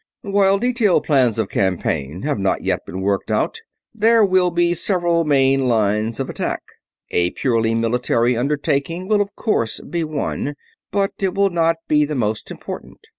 "While detailed plans of campaign have not yet been worked out, there will be several main lines of attack. A purely military undertaking will of course be one, but it will not be the most important.